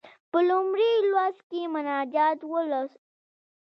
په لومړي لوست کې مناجات ولوست.